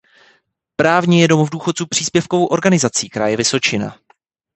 Právně je domov důchodců příspěvkovou organizací kraje Vysočina.